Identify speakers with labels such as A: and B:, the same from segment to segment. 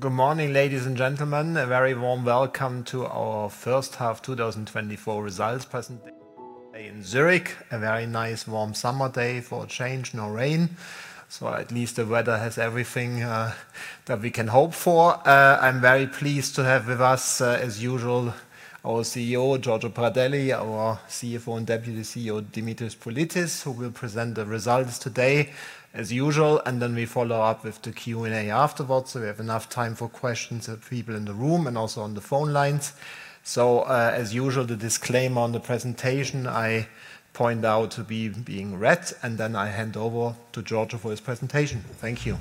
A: Good morning, ladies and gentlemen. A very warm welcome to our first half 2024 results presentation in Zurich. A very nice, warm summer day for a change, no rain. So at least the weather has everything that we can hope for. I'm very pleased to have with us, as usual, our CEO, Giorgio Pradelli, our CFO and Deputy CEO, Dimitris Politis, who will present the results today, as usual. And then we follow up with the Q&A afterwards, so we have enough time for questions of people in the room and also on the phone lines. So, as usual, the disclaimer on the presentation I point out to be being read, and then I hand over to Giorgio for his presentation. Thank you.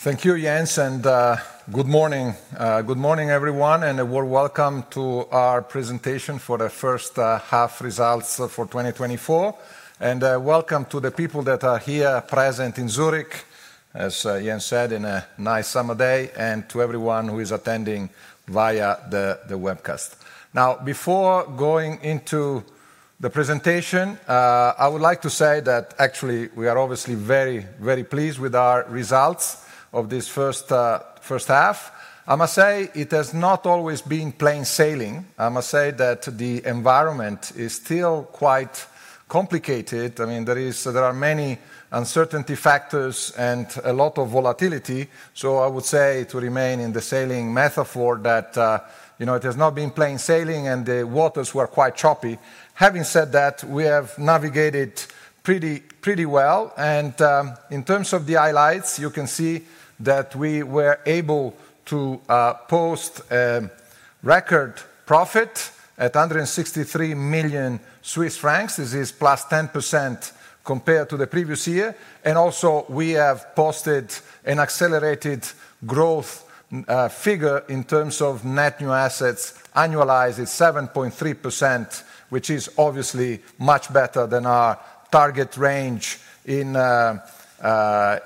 B: Thank you, Jens, and good morning. Good morning, everyone, and a warm welcome to our presentation for the first half results for 2024. And welcome to the people that are here present in Zurich, as Jens said, in a nice summer day, and to everyone who is attending via the webcast. Now, before going into the presentation, I would like to say that actually we are obviously very, very pleased with our results of this first half. I must say it has not always been plain sailing. I must say that the environment is still quite complicated. I mean, there are many uncertainty factors and a lot of volatility. So I would say to remain in the sailing metaphor that, you know, it has not been plain sailing and the waters were quite choppy. Having said that, we have navigated pretty well. In terms of the highlights, you can see that we were able to post a record profit at 163 million Swiss francs. This is +10% compared to the previous year. Also we have posted an accelerated growth figure in terms of net new assets annualized at 7.3%, which is obviously much better than our target range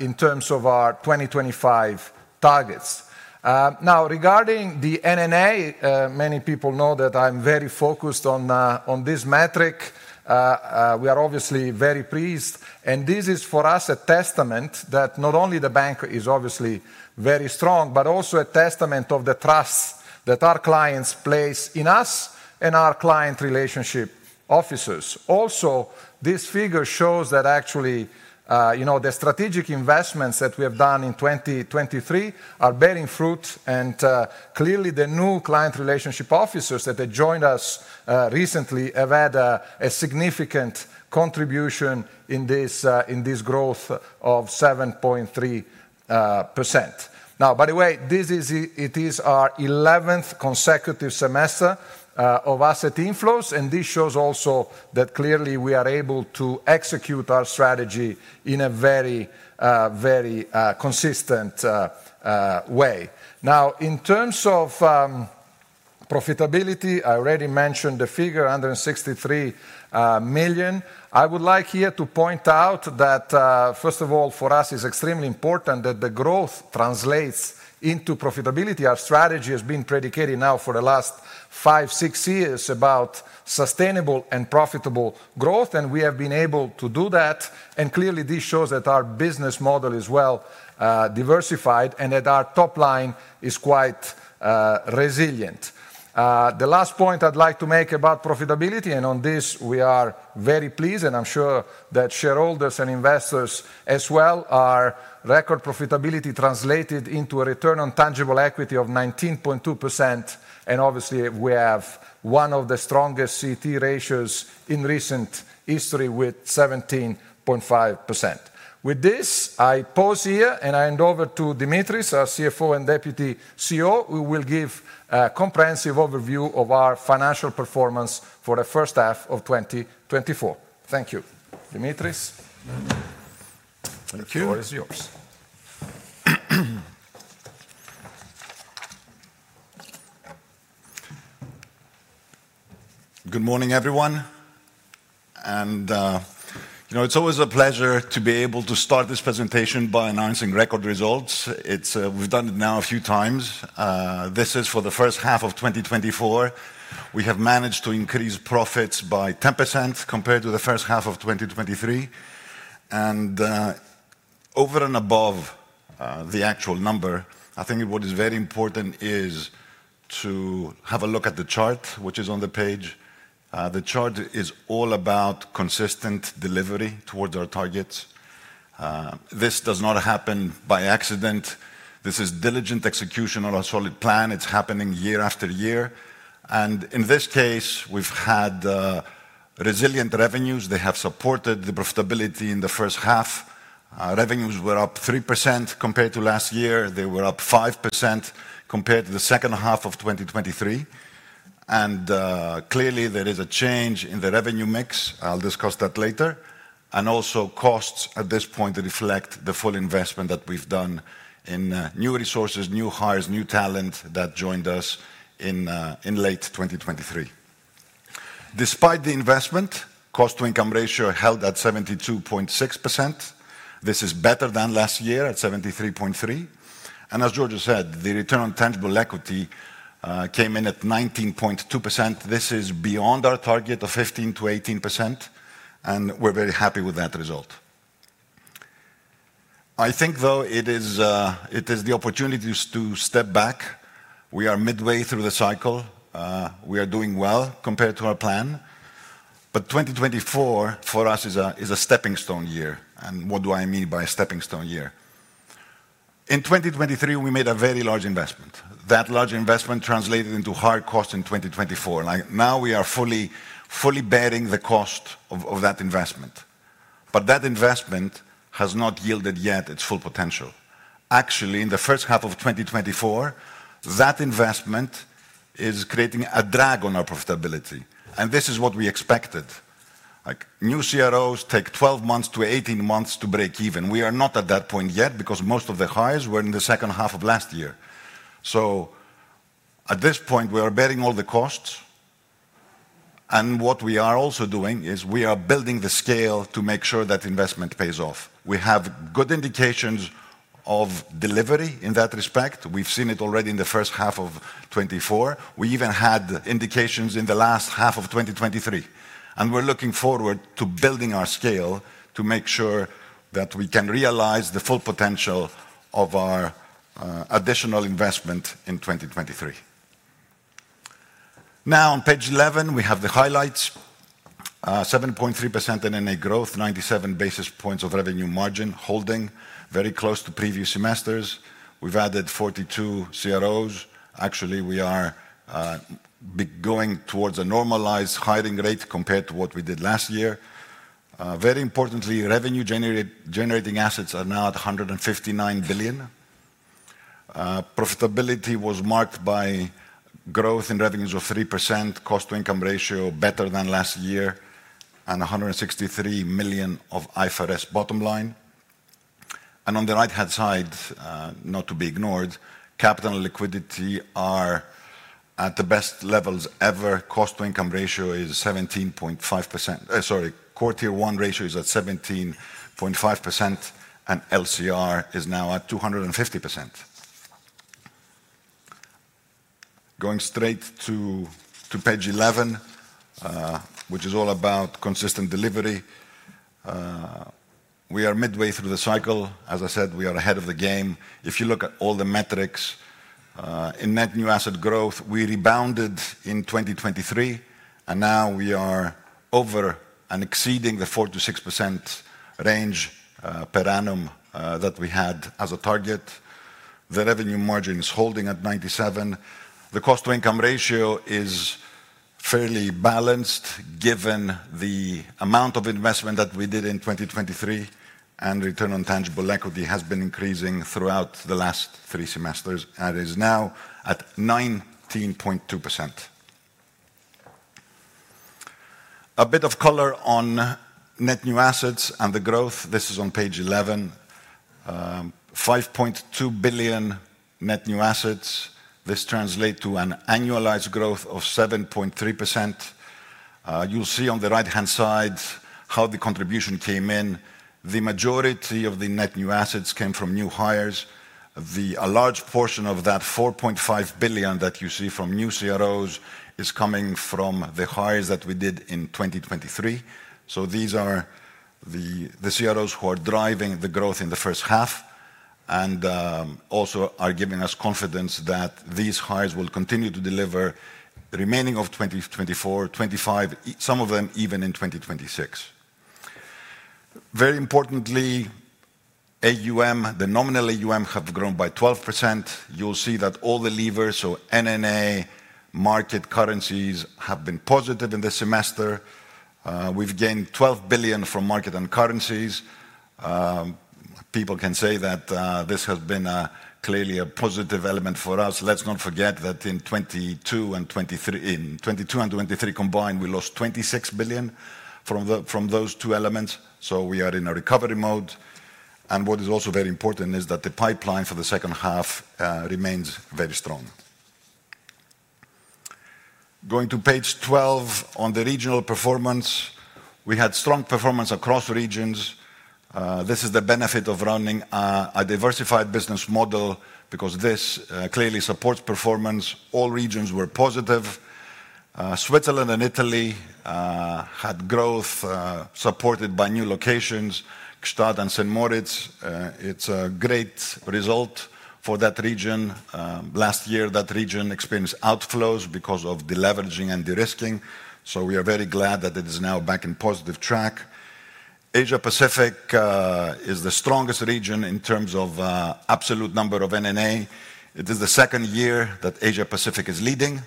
B: in terms of our 2025 targets. Now, regarding the NNA, many people know that I'm very focused on this metric. We are obviously very pleased, and this is for us a testament that not only the bank is obviously very strong, but also a testament of the trust that our clients place in us and our client relationship officers. Also, this figure shows that actually, you know, the strategic investments that we have done in 2023 are bearing fruit, and clearly the new client relationship officers that have joined us recently have had a significant contribution in this growth of 7.3%. Now, by the way, this is our 11th consecutive semester of asset inflows, and this shows also that clearly we are able to execute our strategy in a very, very consistent way. Now, in terms of profitability, I already mentioned the figure, 163 million. I would like here to point out that, first of all, for us, it is extremely important that the growth translates into profitability. Our strategy has been predicated now for the last five, six years about sustainable and profitable growth, and we have been able to do that. Clearly, this shows that our business model is well diversified and that our top line is quite resilient. The last point I'd like to make about profitability, and on this we are very pleased, and I'm sure that shareholders and investors as well are record profitability translated into a return on tangible equity of 19.2%. Obviously, we have one of the strongest CET1 ratios in recent history with 17.5%. With this, I pause here and I hand over to Dimitris, our CFO and Deputy CEO, who will give a comprehensive overview of our financial performance for the first half of 2024. Thank you, Dimitris.
C: Thank you.
B: The floor is yours.
C: Good morning, everyone. And, you know, it's always a pleasure to be able to start this presentation by announcing record results. We've done it now a few times. This is for the first half of 2024. We have managed to increase profits by 10% compared to the first half of 2023. And over and above the actual number, I think what is very important is to have a look at the chart, which is on the page. The chart is all about consistent delivery towards our targets. This does not happen by accident. This is diligent execution of a solid plan. It's happening year after year. And in this case, we've had resilient revenues. They have supported the profitability in the first half. Revenues were up 3% compared to last year. They were up 5% compared to the second half of 2023. Clearly, there is a change in the revenue mix. I'll discuss that later. Also, costs at this point reflect the full investment that we've done in new resources, new hires, new talent that joined us in late 2023. Despite the investment, cost-to-income ratio held at 72.6%. This is better than last year at 73.3%. As Giorgio said, the return on tangible equity came in at 19.2%. This is beyond our target of 15%-18%, and we're very happy with that result. I think, though, it is the opportunity to step back. We are midway through the cycle. We are doing well compared to our plan. 2024 for us is a stepping stone year. What do I mean by a stepping stone year? In 2023, we made a very large investment. That large investment translated into higher costs in 2024. Now we are fully bearing the cost of that investment. But that investment has not yielded yet its full potential. Actually, in the first half of 2024, that investment is creating a drag on our profitability. And this is what we expected. New CROs take 12 months to 18 months to break even. We are not at that point yet because most of the hires were in the second half of last year. So at this point, we are bearing all the costs. And what we are also doing is we are building the scale to make sure that investment pays off. We have good indications of delivery in that respect. We've seen it already in the first half of 2024. We even had indications in the second half of 2023. We're looking forward to building our scale to make sure that we can realize the full potential of our additional investment in 2023. Now, on page 11, we have the highlights. 7.3% NNA growth, 97 basis points of revenue margin, holding very close to previous semesters. We've added 42 CROs. Actually, we are going towards a normalized hiring rate compared to what we did last year. Very importantly, revenue-generating assets are now at 159 billion. Profitability was marked by growth in revenues of 3%, cost to income ratio better than last year, and 163 million of IFRS bottom line. On the right-hand side, not to be ignored, capital and liquidity are at the best levels ever. Cost to income ratio is 17.5%. Sorry, CET1 ratio is at 17.5%, and LCR is now at 250%. Going straight to page 11, which is all about consistent delivery. We are midway through the cycle. As I said, we are ahead of the game. If you look at all the metrics in net new asset growth, we rebounded in 2023, and now we are over and exceeding the 4%-6% range per annum that we had as a target. The revenue margin is holding at 97. The cost to income ratio is fairly balanced given the amount of investment that we did in 2023, and return on tangible equity has been increasing throughout the last three semesters. That is now at 19.2%. A bit of color on net new assets and the growth. This is on page 11. 5.2 billion net new assets. This translates to an annualized growth of 7.3%. You'll see on the right-hand side how the contribution came in. The majority of the net new assets came from new hires. A large portion of that 4.5 billion that you see from new CROs is coming from the hires that we did in 2023. So these are the CROs who are driving the growth in the first half and also are giving us confidence that these hires will continue to deliver remaining of 2024, 2025, some of them even in 2026. Very importantly, AUM, the nominal AUM, have grown by 12%. You'll see that all the levers, so NNA, market, currencies, have been positive in this semester. We've gained 12 billion from market and currencies. People can say that this has been clearly a positive element for us. Let's not forget that in 2022 and 2023 combined, we lost 26 billion from those two elements. So we are in a recovery mode. What is also very important is that the pipeline for the second half remains very strong. Going to page 12 on the regional performance, we had strong performance across regions. This is the benefit of running a diversified business model because this clearly supports performance. All regions were positive. Switzerland and Italy had growth supported by new locations, Gstaad and St. Moritz. It's a great result for that region. Last year, that region experienced outflows because of deleveraging and de-risking. So we are very glad that it is now back in positive track. Asia-Pacific is the strongest region in terms of absolute number of NNA. It is the second year that Asia-Pacific is leading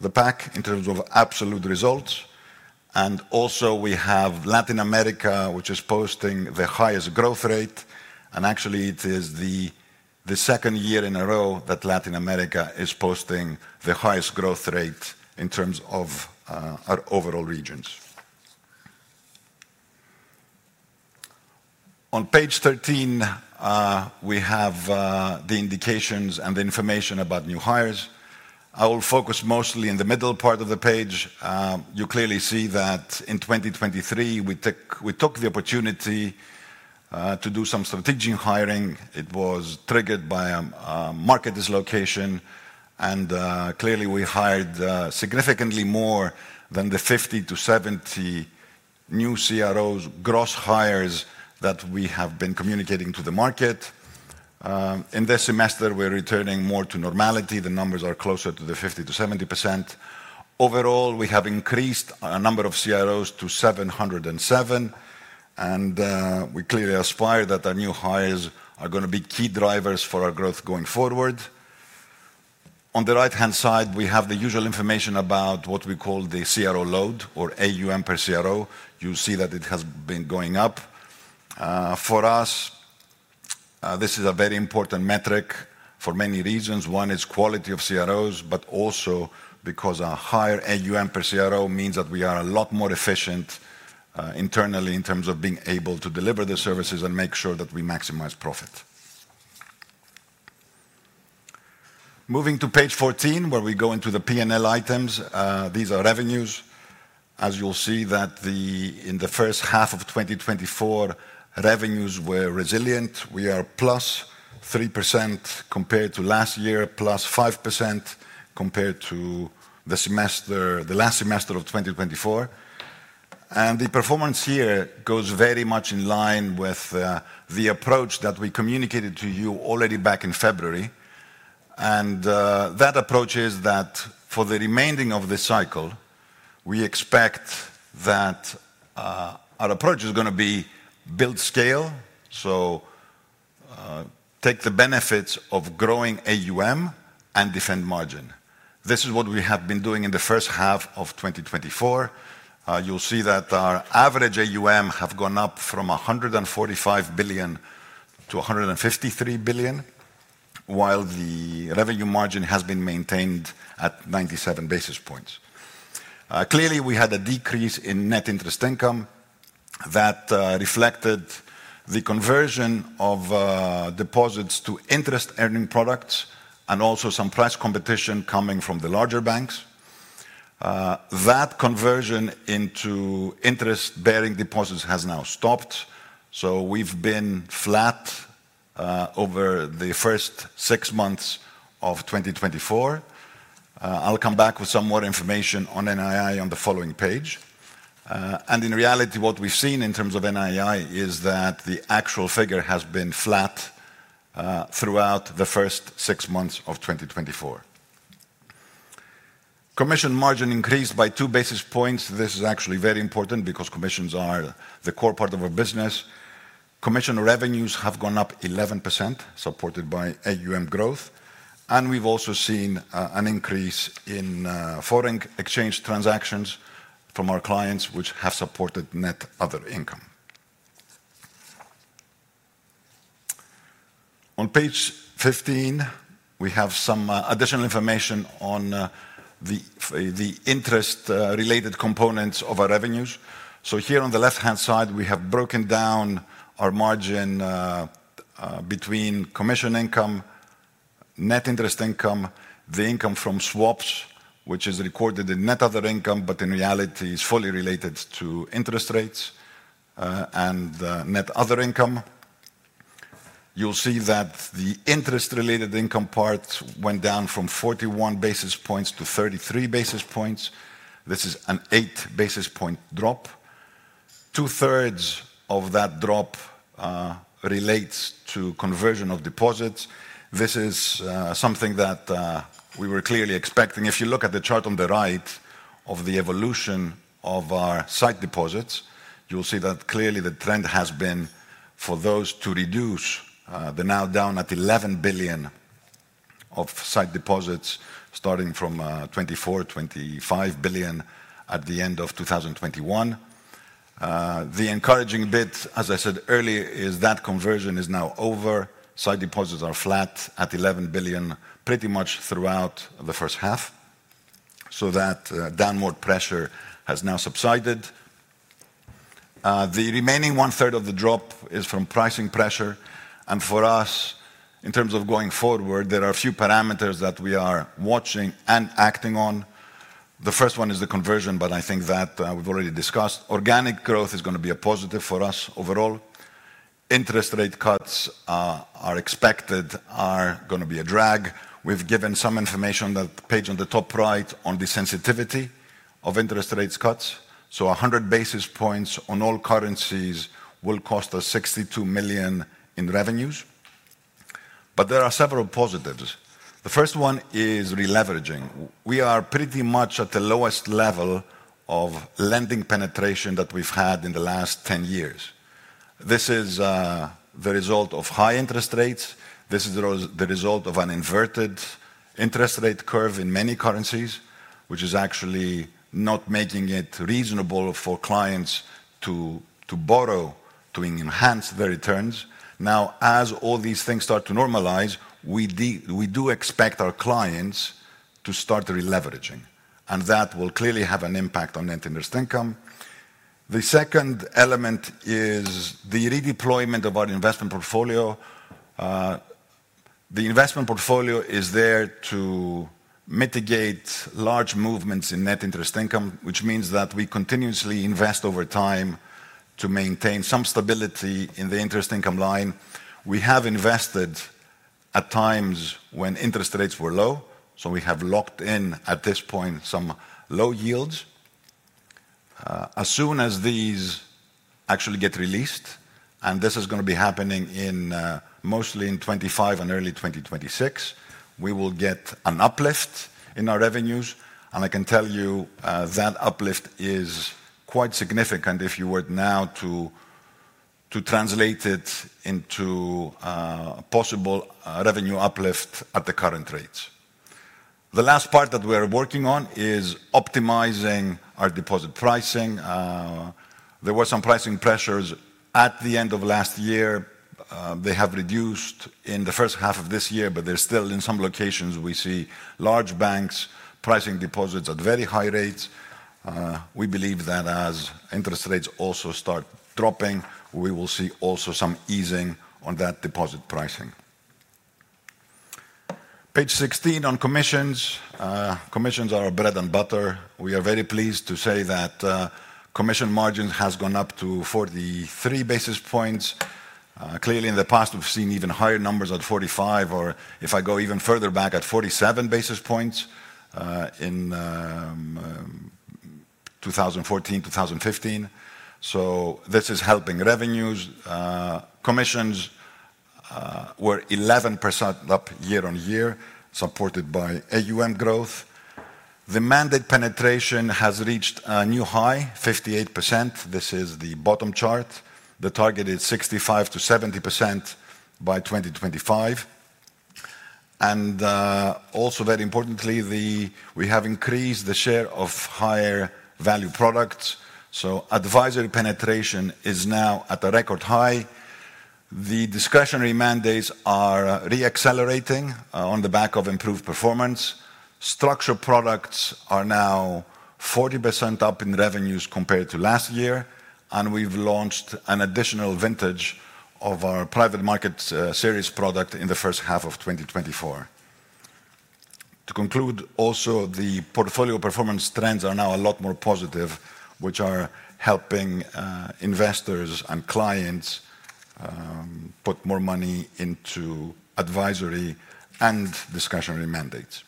C: the pack in terms of absolute results. And also, we have Latin America, which is posting the highest growth rate. And actually, it is the second year in a row that Latin America is posting the highest growth rate in terms of our overall regions. On page 13, we have the indications and the information about new hires. I will focus mostly in the middle part of the page. You clearly see that in 2023, we took the opportunity to do some strategic hiring. It was triggered by a market dislocation. Clearly, we hired significantly more than the 50-70 new CROs gross hires that we have been communicating to the market. In this semester, we're returning more to normality. The numbers are closer to the 50%-70%. Overall, we have increased the number of CROs to 707. We clearly aspire that our new hires are going to be key drivers for our growth going forward. On the right-hand side, we have the usual information about what we call the CRO load or AUM per CRO. You'll see that it has been going up. For us, this is a very important metric for many reasons. One is quality of CROs, but also because a higher AUM per CRO means that we are a lot more efficient internally in terms of being able to deliver the services and make sure that we maximize profit. Moving to page 14, where we go into the P&L items, these are revenues. As you'll see that in the first half of 2024, revenues were resilient. We are +3% compared to last year, +5% compared to the last semester of 2024. And the performance here goes very much in line with the approach that we communicated to you already back in February. And that approach is that for the remaining of the cycle, we expect that our approach is going to be build scale. So take the benefits of growing AUM and defend margin. This is what we have been doing in the first half of 2024. You'll see that our average AUM has gone up from 145 billion to 153 billion, while the revenue margin has been maintained at 97 basis points. Clearly, we had a decrease in net interest income that reflected the conversion of deposits to interest-earning products and also some price competition coming from the larger banks. That conversion into interest-bearing deposits has now stopped. So we've been flat over the first six months of 2024. I'll come back with some more information on NII on the following page. And in reality, what we've seen in terms of NII is that the actual figure has been flat throughout the first six months of 2024. Commission margin increased by two basis points. This is actually very important because commissions are the core part of our business. Commission revenues have gone up 11%, supported by AUM growth. We've also seen an increase in foreign exchange transactions from our clients, which have supported net other income. On page 15, we have some additional information on the interest-related components of our revenues. So here on the left-hand side, we have broken down our margin between commission income, net interest income, the income from swaps, which is recorded in net other income, but in reality, is fully related to interest rates and net other income. You'll see that the interest-related income part went down from 41 basis points to 33 basis points. This is an eight-basis-point drop. 2/3 of that drop relates to conversion of deposits. This is something that we were clearly expecting. If you look at the chart on the right of the evolution of our sight deposits, you'll see that clearly the trend has been for those to reduce. They're now down at 11 billion in sight deposits, starting from 24 billion-25 billion at the end of 2021. The encouraging bit, as I said earlier, is that conversion is now over. Sight deposits are flat at 11 billion pretty much throughout the first half. So that downward pressure has now subsided. The remaining one-third of the drop is from pricing pressure. And for us, in terms of going forward, there are a few parameters that we are watching and acting on. The first one is the conversion, but I think that we've already discussed. Organic growth is going to be a positive for us overall. Interest rate cuts are expected to be a drag. We've given some information on the page on the top right on the sensitivity of interest rate cuts. So 100 basis points on all currencies will cost us 62 million in revenues. But there are several positives. The first one is releveraging. We are pretty much at the lowest level of lending penetration that we've had in the last 10 years. This is the result of high interest rates. This is the result of an inverted interest rate curve in many currencies, which is actually not making it reasonable for clients to borrow to enhance their returns. Now, as all these things start to normalize, we do expect our clients to start releveraging. And that will clearly have an impact on net interest income. The second element is the redeployment of our investment portfolio. The investment portfolio is there to mitigate large movements in net interest income, which means that we continuously invest over time to maintain some stability in the interest income line. We have invested at times when interest rates were low. So we have locked in at this point some low yields. As soon as these actually get released, and this is going to be happening mostly in 2025 and early 2026, we will get an uplift in our revenues. And I can tell you that uplift is quite significant if you were now to translate it into a possible revenue uplift at the current rates. The last part that we are working on is optimizing our deposit pricing. There were some pricing pressures at the end of last year. They have reduced in the first half of this year, but there's still in some locations we see large banks pricing deposits at very high rates. We believe that as interest rates also start dropping, we will see also some easing on that deposit pricing. Page 16 on commissions. Commissions are our bread and butter. We are very pleased to say that commission margin has gone up to 43 basis points. Clearly, in the past, we've seen even higher numbers at 45, or if I go even further back at 47 basis points in 2014, 2015. So this is helping revenues. Commissions were 11% up year-on-year, supported by AUM growth. The mandate penetration has reached a new high, 58%. This is the bottom chart. The target is 65%-70% by 2025. And also very importantly, we have increased the share of higher value products. Advisory penetration is now at a record high. The discretionary mandates are re-accelerating on the back of improved performance. Structured products are now 40% up in revenues compared to last year. And we've launched an additional vintage of our Private Market Series product in the first half of 2024. To conclude, also the portfolio performance trends are now a lot more positive, which are helping investors and clients put more money into advisory and discretionary mandates.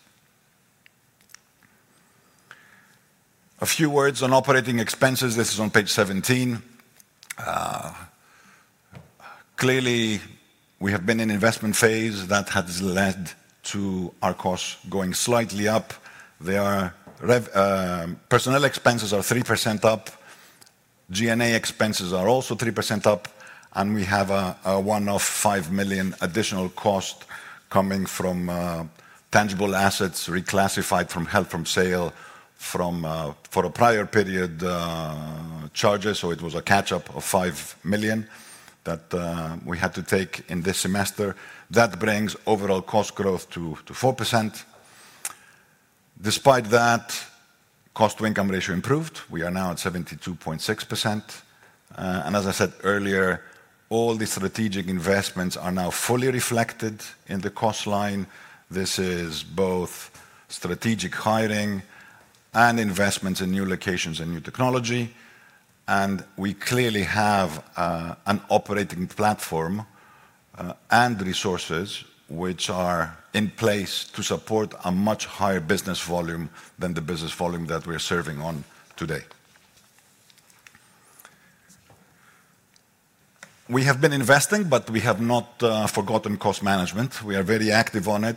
C: A few words on operating expenses. This is on page 17. Clearly, we have been in an investment phase that has led to our costs going slightly up. Personnel expenses are 3% up. G&A expenses are also 3% up. And we have a one-off 5 million additional cost coming from tangible assets reclassified from held for sale, from prior period charges. So it was a catch-up of 5 million that we had to take in this semester. That brings overall cost growth to 4%. Despite that, cost-to-income ratio improved. We are now at 72.6%. And as I said earlier, all the strategic investments are now fully reflected in the cost line. This is both strategic hiring and investments in new locations and new technology. And we clearly have an operating platform and resources which are in place to support a much higher business volume than the business volume that we're serving on today. We have been investing, but we have not forgotten cost management. We are very active on it.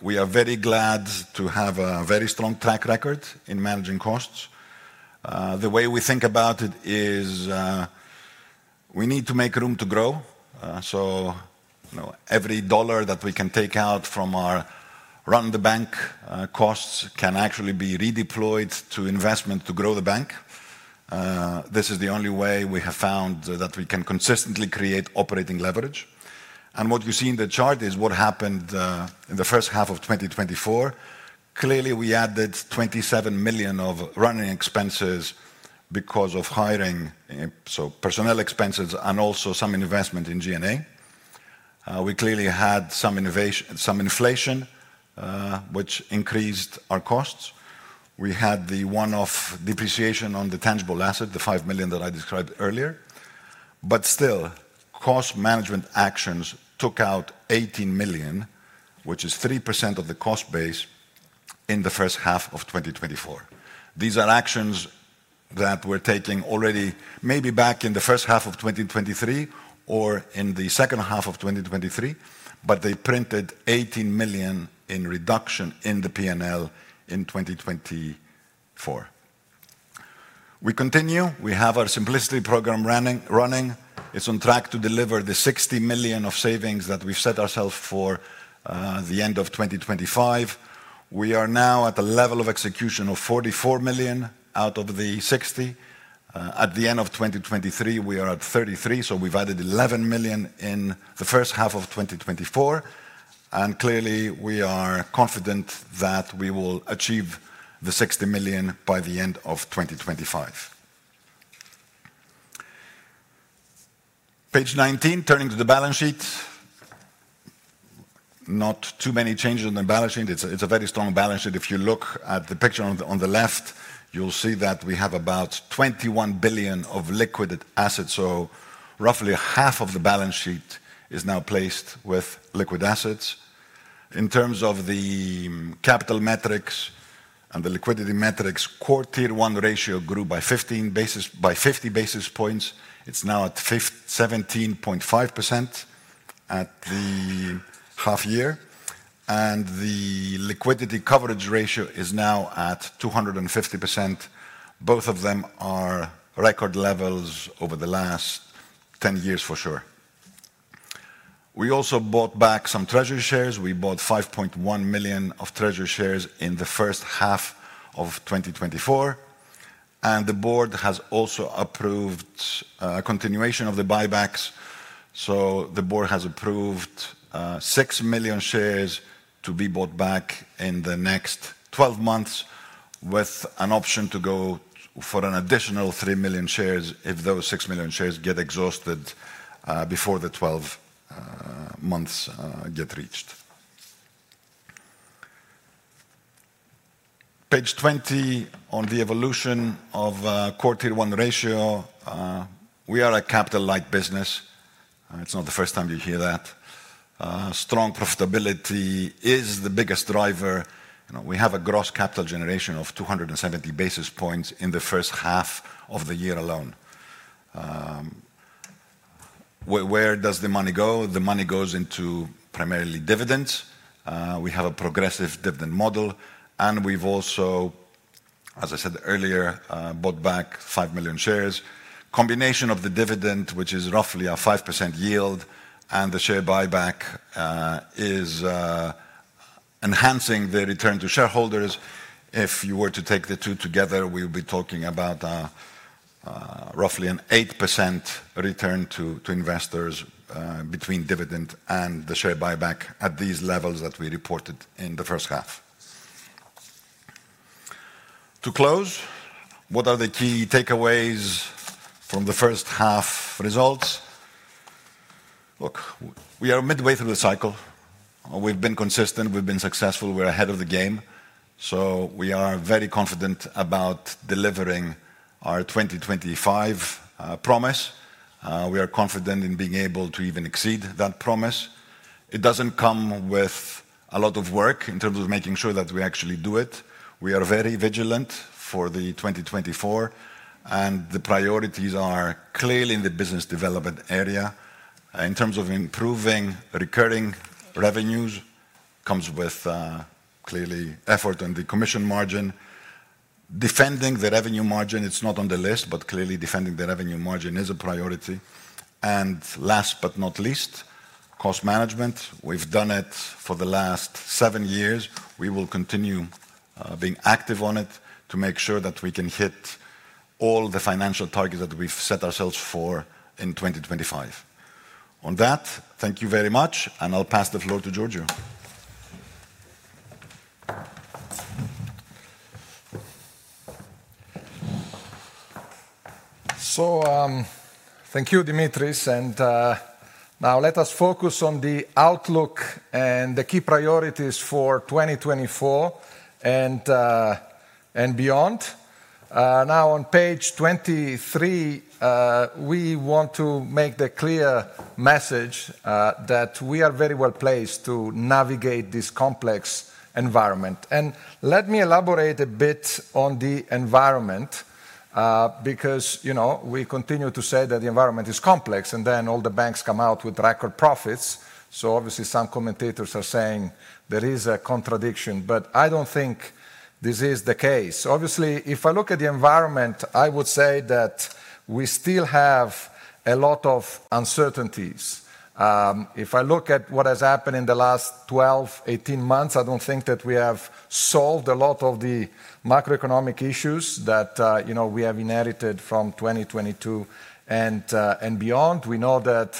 C: We are very glad to have a very strong track record in managing costs. The way we think about it is we need to make room to grow. So every dollar that we can take out from our run-of-the-bank costs can actually be redeployed to investment to grow the bank. This is the only way we have found that we can consistently create operating leverage. And what you see in the chart is what happened in the first half of 2024. Clearly, we added 27 million of running expenses because of hiring, so personnel expenses and also some investment in G&A. We clearly had some inflation, which increased our costs. We had the one-off depreciation on the tangible asset, the 5 million that I described earlier. But still, cost management actions took out 18 million, which is 3% of the cost base in the first half of 2024. These are actions that we're taking already maybe back in the first half of 2023 or in the second half of 2023, but they printed 18 million in reduction in the P&L in 2024. We continue. We have our Simplicity program running. It's on track to deliver the 60 million of savings that we've set ourselves for the end of 2025. We are now at a level of execution of 44 million out of the 60 million. At the end of 2023, we are at 33 million. So we've added 11 million in the first half of 2024. And clearly, we are confident that we will achieve the 60 million by the end of 2025. Page 19, turning to the balance sheet. Not too many changes on the balance sheet. It's a very strong balance sheet. If you look at the picture on the left, you'll see that we have about 21 billion of liquid assets. Roughly half of the balance sheet is now placed with liquid assets. In terms of the capital metrics and the liquidity metrics, CET1 ratio grew by 15 basis points. It's now at 17.5% at the half year. The liquidity coverage ratio is now at 250%. Both of them are record levels over the last 10 years for sure. We also bought back some treasury shares. We bought 5.1 million treasury shares in the first half of 2024. The board has also approved a continuation of the buybacks. So the board has approved 6 million shares to be bought back in the next 12 months with an option to go for an additional 3 million shares if those 6 million shares get exhausted before the 12 months get reached. Page 20 on the evolution of CET1 ratio. We are a capital-light business. It's not the first time you hear that. Strong profitability is the biggest driver. We have a gross capital generation of 270 basis points in the first half of the year alone. Where does the money go? The money goes into primarily dividends. We have a progressive dividend model. And we've also, as I said earlier, bought back 5 million shares. Combination of the dividend, which is roughly a 5% yield, and the share buyback is enhancing the return to shareholders. If you were to take the two together, we would be talking about roughly an 8% return to investors between dividend and the share buyback at these levels that we reported in the first half. To close, what are the key takeaways from the first half results? Look, we are midway through the cycle. We've been consistent. We've been successful. We're ahead of the game. So we are very confident about delivering our 2025 promise. We are confident in being able to even exceed that promise. It doesn't come with a lot of work in terms of making sure that we actually do it. We are very vigilant for the 2024. The priorities are clearly in the business development area. In terms of improving recurring revenues, it comes with clearly effort on the commission margin. Defending the revenue margin, it's not on the list, but clearly defending the revenue margin is a priority. And last but not least, cost management. We've done it for the last seven years. We will continue being active on it to make sure that we can hit all the financial targets that we've set ourselves for in 2025. On that, thank you very much. And I'll pass the floor to Giorgio.
B: So thank you, Dimitris. And now let us focus on the outlook and the key priorities for 2024 and beyond. Now on page 23, we want to make the clear message that we are very well placed to navigate this complex environment. And let me elaborate a bit on the environment because we continue to say that the environment is complex and then all the banks come out with record profits. So obviously, some commentators are saying there is a contradiction, but I don't think this is the case. Obviously, if I look at the environment, I would say that we still have a lot of uncertainties. If I look at what has happened in the last 12, 18 months, I don't think that we have solved a lot of the macroeconomic issues that we have inherited from 2022 and beyond. We know that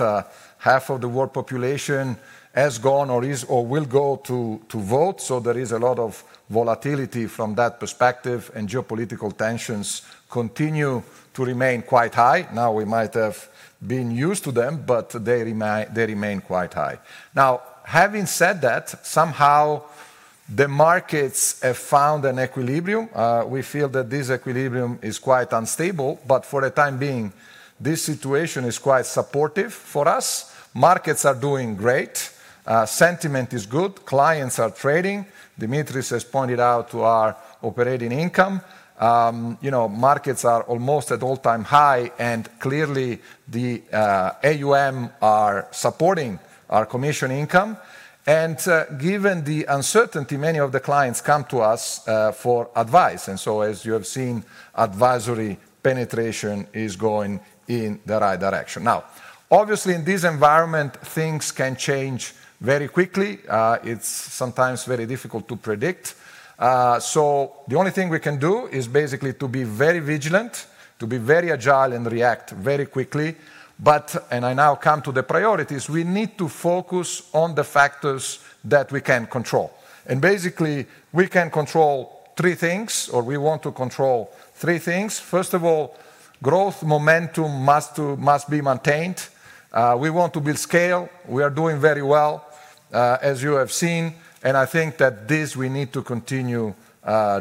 B: half of the world population has gone or will go to vote. So there is a lot of volatility from that perspective. Geopolitical tensions continue to remain quite high. Now we might have been used to them, but they remain quite high. Now, having said that, somehow the markets have found an equilibrium. We feel that this equilibrium is quite unstable. But for the time being, this situation is quite supportive for us. Markets are doing great. Sentiment is good. Clients are trading. Dimitris has pointed out to our operating income. Markets are almost at all-time high. Clearly, the AUM are supporting our commission income. Given the uncertainty, many of the clients come to us for advice. So, as you have seen, advisory penetration is going in the right direction. Now, obviously, in this environment, things can change very quickly. It's sometimes very difficult to predict. So the only thing we can do is basically to be very vigilant, to be very agile, and react very quickly. But, and I now come to the priorities. We need to focus on the factors that we can control. Basically, we can control three things, or we want to control three things. First of all, growth momentum must be maintained. We want to build scale. We are doing very well, as you have seen. I think that this we need to continue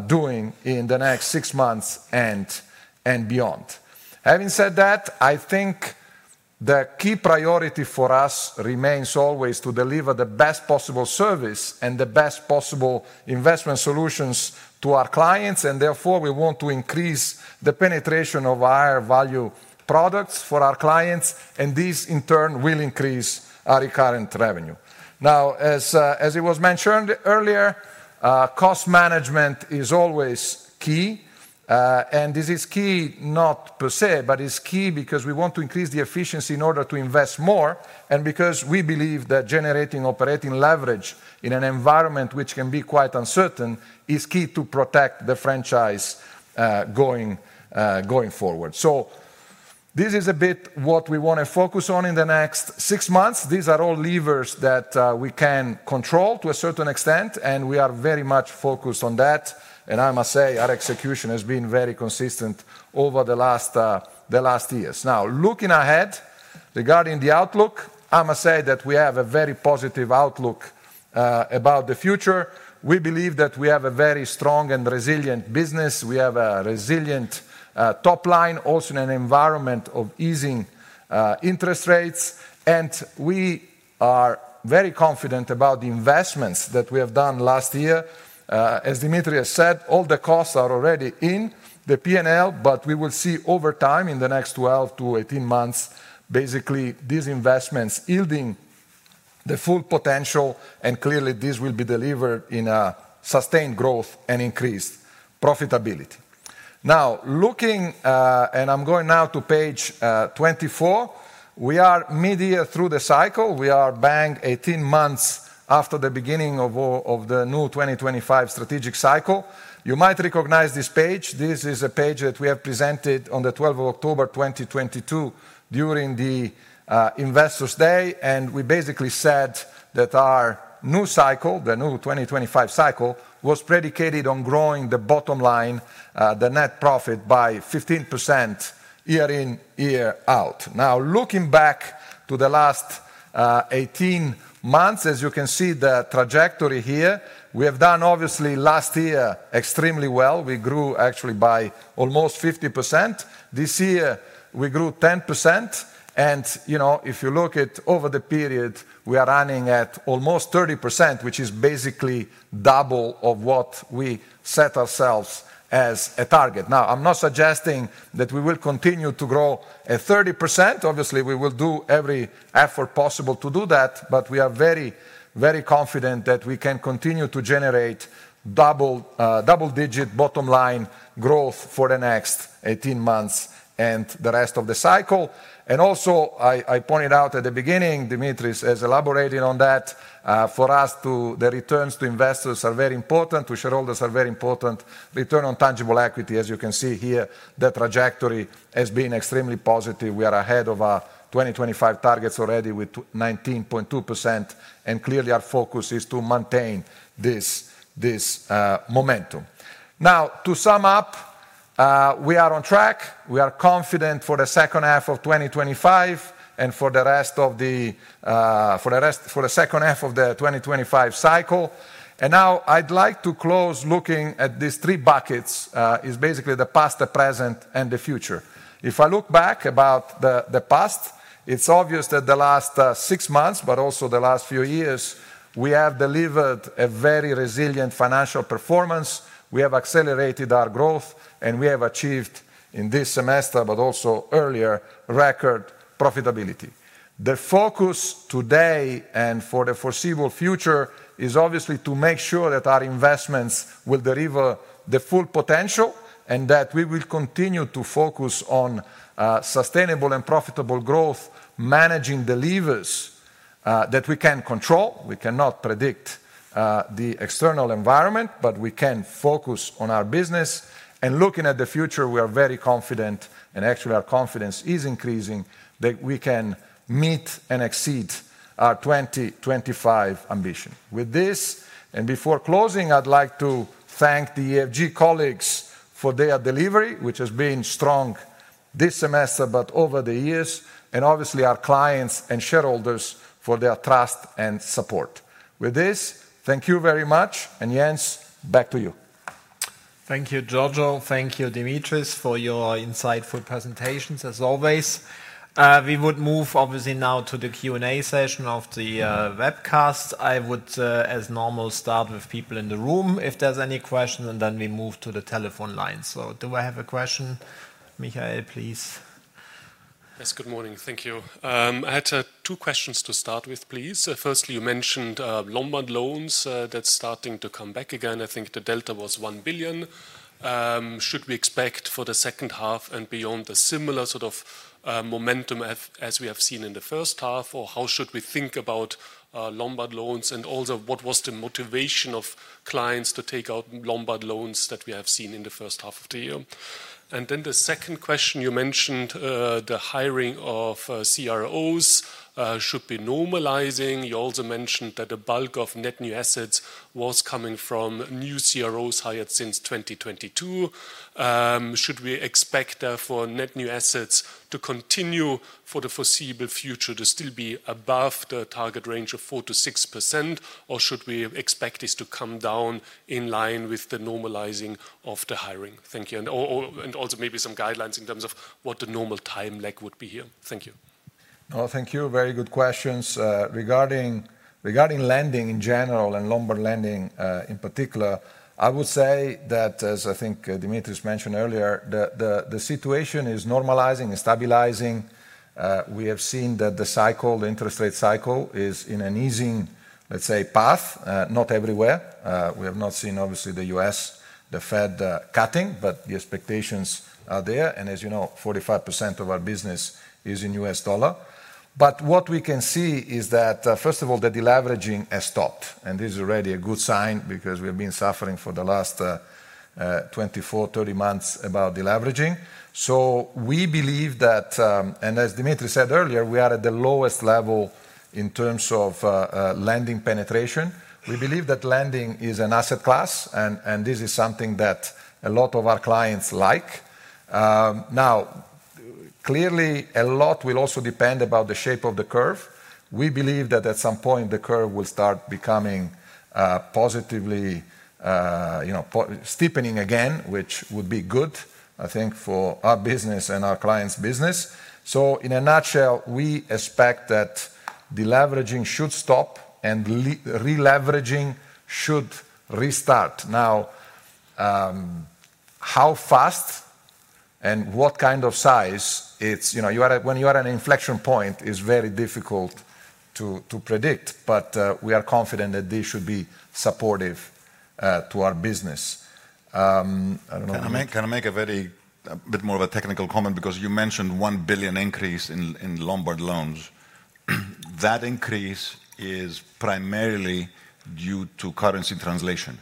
B: doing in the next six months and beyond. Having said that, I think the key priority for us remains always to deliver the best possible service and the best possible investment solutions to our clients. Therefore, we want to increase the penetration of our value products for our clients. This, in turn, will increase our recurrent revenue. Now, as it was mentioned earlier, cost management is always key. This is key not per se, but it's key because we want to increase the efficiency in order to invest more. Because we believe that generating operating leverage in an environment which can be quite uncertain is key to protect the franchise going forward. This is a bit what we want to focus on in the next six months. These are all levers that we can control to a certain extent. We are very much focused on that. I must say our execution has been very consistent over the last years. Now, looking ahead regarding the outlook, I must say that we have a very positive outlook about the future. We believe that we have a very strong and resilient business. We have a resilient top line also in an environment of easing interest rates. And we are very confident about the investments that we have done last year. As Dimitri has said, all the costs are already in the P&L, but we will see over time in the next 12-18 months basically these investments yielding the full potential. And clearly, this will be delivered in a sustained growth and increased profitability. Now, looking, and I'm going now to page 24, we are midyear through the cycle. We are bank 18 months after the beginning of the new 2025 strategic cycle. You might recognize this page. This is a page that we have presented on the 12th of October 2022 during the Investors' Day. We basically said that our new cycle, the new 2025 cycle, was predicated on growing the bottom line, the net profit by 15% year in, year out. Now, looking back to the last 18 months, as you can see the trajectory here, we have done obviously last year extremely well. We grew actually by almost 50%. This year, we grew 10%. And if you look at over the period, we are running at almost 30%, which is basically double of what we set ourselves as a target. Now, I'm not suggesting that we will continue to grow at 30%. Obviously, we will do every effort possible to do that. But we are very, very confident that we can continue to generate double-digit bottom line growth for the next 18 months and the rest of the cycle. And also, I pointed out at the beginning, Dimitris has elaborated on that. For us, the returns to investors are very important. To shareholders are very important. Return on tangible equity, as you can see here, the trajectory has been extremely positive. We are ahead of our 2025 targets already with 19.2%. Clearly, our focus is to maintain this momentum. Now, to sum up, we are on track. We are confident for the second half of 2025 and for the rest of the second half of the 2025 cycle. Now, I'd like to close looking at these three buckets. It's basically the past, the present, and the future. If I look back about the past, it's obvious that the last six months, but also the last few years, we have delivered a very resilient financial performance. We have accelerated our growth, and we have achieved in this semester, but also earlier, record profitability. The focus today and for the foreseeable future is obviously to make sure that our investments will deliver the full potential and that we will continue to focus on sustainable and profitable growth, managing the levers that we can control. We cannot predict the external environment, but we can focus on our business. Looking at the future, we are very confident, and actually our confidence is increasing that we can meet and exceed our 2025 ambition. With this, and before closing, I'd like to thank the EFG colleagues for their delivery, which has been strong this semester, but over the years, and obviously our clients and shareholders for their trust and support. With this, thank you very much. And Jens, back to you.
A: Thank you, Giorgio. Thank you, Dimitris, for your insightful presentations as always. We would move obviously now to the Q&A session of the webcast. I would, as normal, start with people in the room if there's any questions, and then we move to the telephone line. So do I have a question? Michael, please.
D: Yes, good morning. Thank you. I had two questions to start with, please. Firstly, you mentioned Lombard loans that's starting to come back again. I think the delta was 1 billion. Should we expect for the second half and beyond the similar sort of momentum as we have seen in the first half? Or how should we think about Lombard loans? And also, what was the motivation of clients to take out Lombard loans that we have seen in the first half of the year? And then the second question, you mentioned the hiring of CROs should be normalizing. You also mentioned that the bulk of net new assets was coming from new CROs hired since 2022. Should we expect therefore net new assets to continue for the foreseeable future to still be above the target range of 4%-6%? Or should we expect this to come down in line with the normalizing of the hiring? Thank you. And also maybe some guidelines in terms of what the normal time lag would be here. Thank you.
B: No, thank you. Very good questions. Regarding lending in general and Lombard lending in particular, I would say that, as I think Dimitris mentioned earlier, the situation is normalizing, stabilizing. We have seen that the cycle, the interest rate cycle, is in an easing, let's say, path. Not everywhere. We have not seen, obviously, the U.S., the Fed cutting, but the expectations are there. And as you know, 45% of our business is in U.S. dollar. But what we can see is that, first of all, the deleveraging has stopped. And this is already a good sign because we have been suffering for the last 24, 30 months about deleveraging. So we believe that, and as Dimitris said earlier, we are at the lowest level in terms of lending penetration. We believe that lending is an asset class, and this is something that a lot of our clients like. Now, clearly, a lot will also depend about the shape of the curve. We believe that at some point, the curve will start becoming positively steepening again, which would be good, I think, for our business and our clients' business. So in a nutshell, we expect that deleveraging should stop and releveraging should restart. Now, how fast and what kind of size it's when you are at an inflection point is very difficult to predict, but we are confident that this should be supportive to our business. I don't know.
C: Can I make a bit more of a technical comment? Because you mentioned 1 billion increase in Lombard loans. That increase is primarily due to currency translation.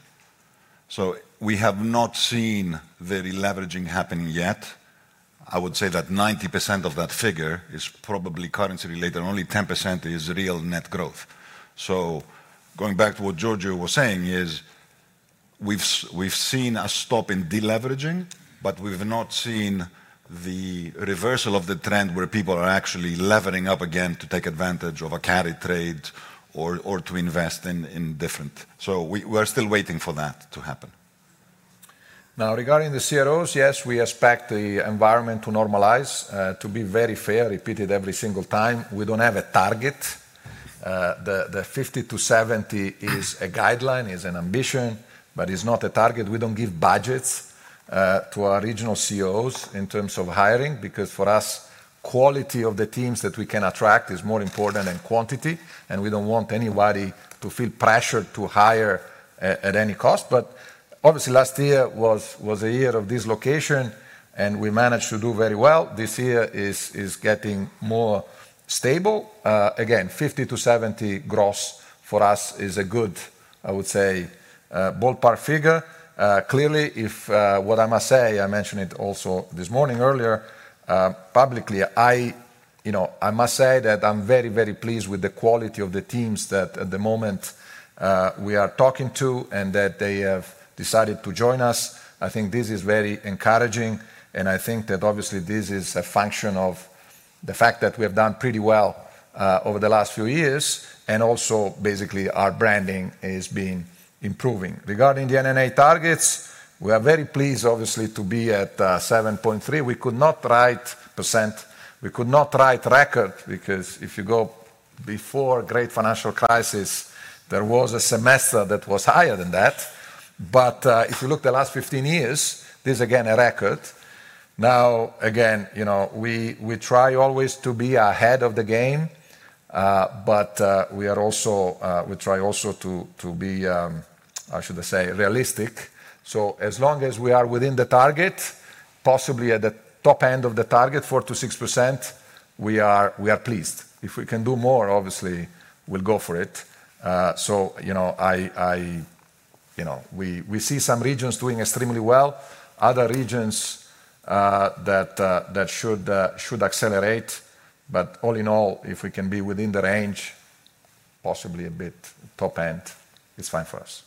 C: So we have not seen the releveraging happening yet. I would say that 90% of that figure is probably currency related, and only 10% is real net growth. So going back to what Giorgio was saying is we've seen a stop in deleveraging, but we've not seen the reversal of the trend where people are actually levering up again to take advantage of a carry trade or to invest in different. So we are still waiting for that to happen.
B: Now, regarding the CROs, yes, we expect the environment to normalize. To be very fair, repeated every single time, we don't have a target. The 50-70 is a guideline, is an ambition, but it's not a target. We don't give budgets to our regional CROs in terms of hiring because for us, quality of the teams that we can attract is more important than quantity. And we don't want anybody to feel pressured to hire at any cost. But obviously, last year was a year of dislocation, and we managed to do very well. This year is getting more stable. Again, 50-70 gross for us is a good, I would say, ballpark figure. Clearly, what I must say, I mentioned it also this morning earlier publicly, I must say that I'm very, very pleased with the quality of the teams that at the moment we are talking to and that they have decided to join us. I think this is very encouraging. I think that obviously this is a function of the fact that we have done pretty well over the last few years. Also basically our branding is being improving. Regarding the NNA targets, we are very pleased, obviously, to be at 7.3%. We could not write percent. We could not write record because if you go before the great financial crisis, there was a semester that was higher than that. But if you look at the last 15 years, this is again a record. Now, again, we try always to be ahead of the game, but we are also, we try also to be, how should I say, realistic. So as long as we are within the target, possibly at the top end of the target, 4%-6%, we are pleased. If we can do more, obviously, we'll go for it. So we see some regions doing extremely well, other regions that should accelerate. But all in all, if we can be within the range, possibly a bit top end, it's fine for us.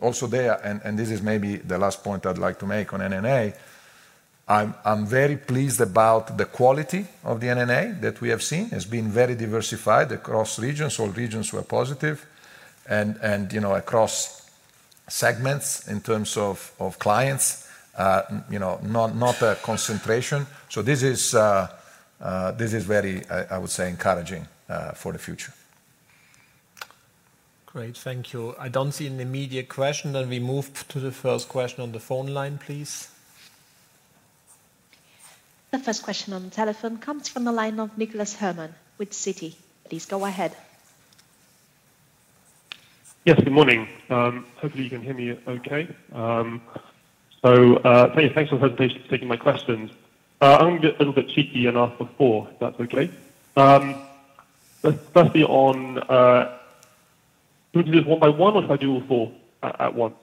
B: Also there, and this is maybe the last point I'd like to make on NNA, I'm very pleased about the quality of the NNA that we have seen. It's been very diversified across regions. All regions were positive. And across segments in terms of clients, not a concentration. So this is very, I would say, encouraging for the future.
A: Great. Thank you. I don't see an immediate question. Then we move to the first question on the phone line, please.
E: The first question on the telephone comes from the line of Nicholas Herman with Citi. Please go ahead.
F: Yes, good morning. Hopefully, you can hear me okay. So, thanks for the presentation for taking my questions. I'm a little bit cheeky and ask before, if that's okay. Let's start on, do we do this one by one or should I do all four at once?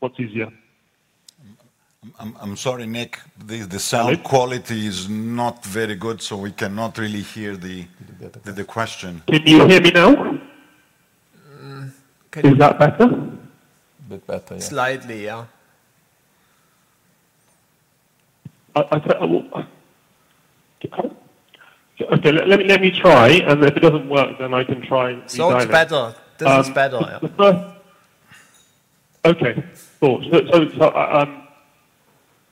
F: What's easier?
C: I'm sorry, Nick. The sound quality is not very good, so we cannot really hear the question.
F: Can you hear me now? Is that better?
C: A bit better, yeah.
A: Slightly, yeah.
F: Okay, let me try. If it doesn't work, then I can try and.
A: It looks better. It looks better.
F: Okay. Cool. So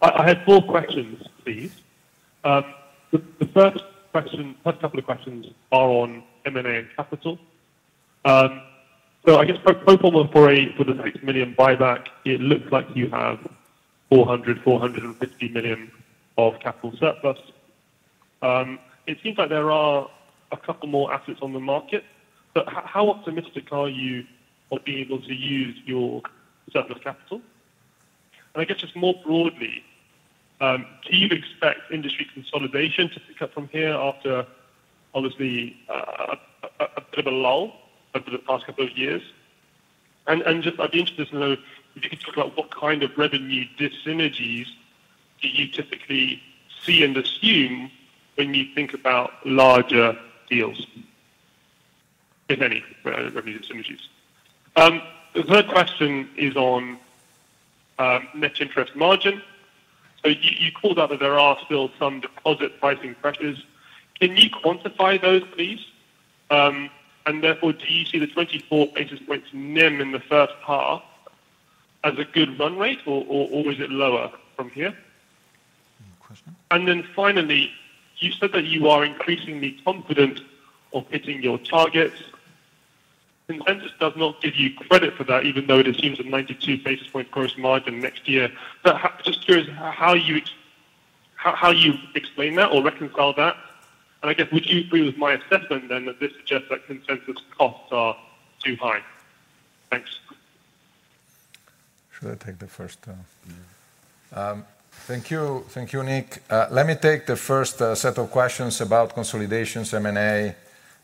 F: I had four questions, please. The first question, first couple of questions are on M&A and capital. So I guess pro forma for the 6 million buyback, it looks like you have 400 million-450 million of capital surplus. It seems like there are a couple more assets on the market. But how optimistic are you of being able to use your surplus capital? And I guess just more broadly, do you expect industry consolidation to pick up from here after obviously a bit of a lull over the past couple of years? And I'd be interested to know if you could talk about what kind of revenue dissynergies do you typically see and assume when you think about larger deals, if any, revenue dissynergies? The third question is on net interest margin. So you called out that there are still some deposit pricing pressures. Can you quantify those, please? And therefore, do you see the 24 basis points NIM in the first half as a good run rate, or is it lower from here? And then finally, you said that you are increasingly confident of hitting your targets. Consensus does not give you credit for that, even though it assumes a 92 basis point gross margin next year. But just curious how you explain that or reconcile that. And I guess would you agree with my assessment then that this suggests that consensus costs are too high? Thanks.
C: Should I take the first? Thank you. Thank you, Nick. Let me take the first set of questions about consolidations, M&A,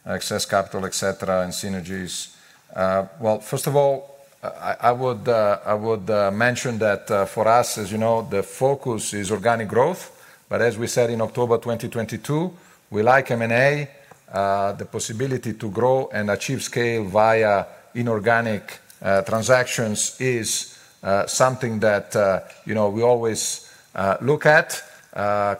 C: excess capital, etc., and synergies. Well, first of all, I would mention that for us, as you know, the focus is organic growth. But as we said in October 2022, we like M&A. The possibility to grow and achieve scale via inorganic transactions is something that we always look at.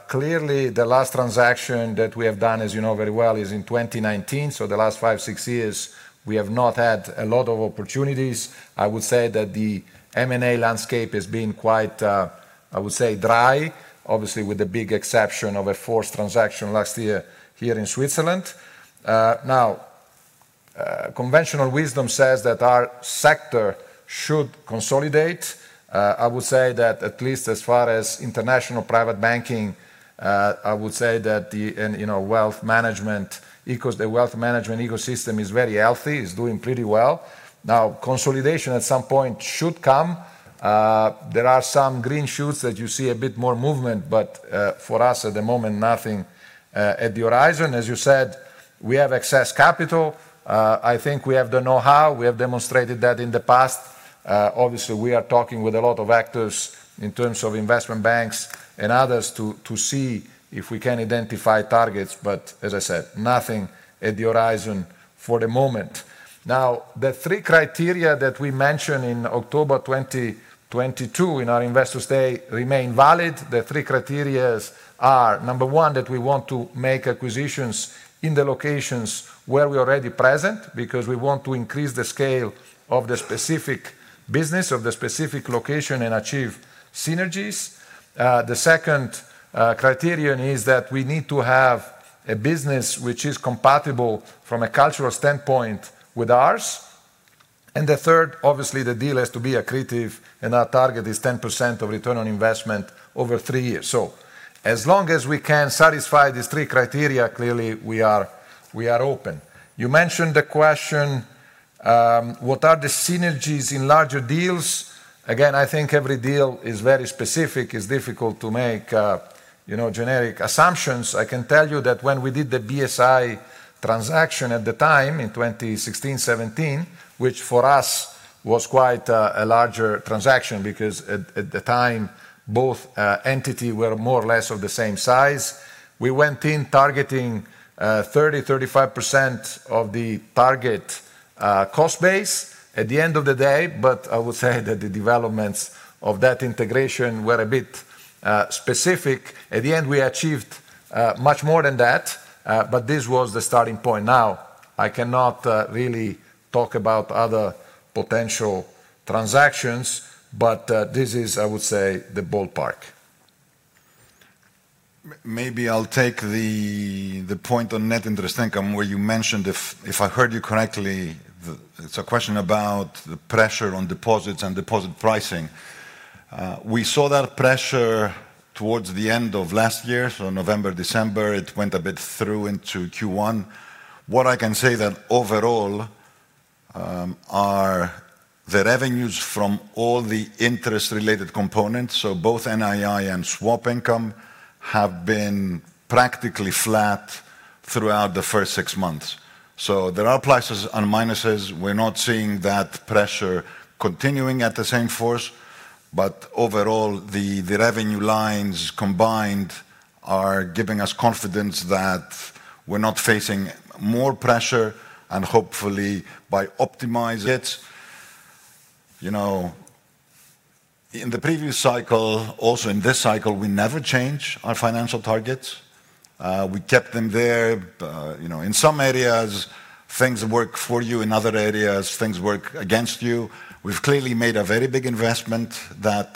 C: Clearly, the last transaction that we have done, as you know very well, is in 2019. So the last five, six years, we have not had a lot of opportunities. I would say that the M&A landscape has been quite, I would say, dry, obviously with the big exception of a forced transaction last year here in Switzerland. Now, conventional wisdom says that our sector should consolidate. I would say that at least as far as international private banking, I would say that the wealth management ecosystem is very healthy, is doing pretty well. Now, consolidation at some point should come. There are some green shoots that you see a bit more movement, but for us at the moment, nothing on the horizon. As you said, we have excess capital. I think we have the know-how. We have demonstrated that in the past. Obviously, we are talking with a lot of actors in terms of investment banks and others to see if we can identify targets. But as I said, nothing on the horizon for the moment. Now, the three criteria that we mentioned in October 2022 in our Investor Day remain valid. The three criteria are, number one, that we want to make acquisitions in the locations where we are already present because we want to increase the scale of the specific business, of the specific location, and achieve synergies. The second criterion is that we need to have a business which is compatible from a cultural standpoint with ours. And the third, obviously, the deal has to be accretive and our target is 10% of return on investment over three years. So as long as we can satisfy these three criteria, clearly we are open. You mentioned the question, what are the synergies in larger deals? Again, I think every deal is very specific. It's difficult to make generic assumptions. I can tell you that when we did the BSI transaction at the time in 2016, 2017, which for us was quite a larger transaction because at the time both entities were more or less of the same size. We went in targeting 30%-35% of the target cost base at the end of the day. But I would say that the developments of that integration were a bit specific. At the end, we achieved much more than that, but this was the starting point. Now, I cannot really talk about other potential transactions, but this is, I would say, the ballpark. Maybe I'll take the point on net interest income where you mentioned, if I heard you correctly, it's a question about the pressure on deposits and deposit pricing. We saw that pressure towards the end of last year, so November, December. It went a bit through into Q1. What I can say that overall are the revenues from all the interest-related components, so both NII and swap income have been practically flat throughout the first six months. There are pluses and minuses. We're not seeing that pressure continuing at the same force. Overall, the revenue lines combined are giving us confidence that we're not facing more pressure and hopefully by optimizing. It's in the previous cycle, also in this cycle, we never changed our financial targets. We kept them there. In some areas, things work for you. In other areas, things work against you. We've clearly made a very big investment that